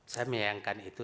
saya menyayangkan itu